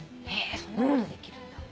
そんなことできるんだ。